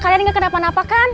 kalian gak kena panah apa kan